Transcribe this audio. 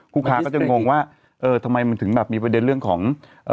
ลูกค้าก็จะงงว่าเออทำไมมันถึงแบบมีประเด็นเรื่องของเอ่อ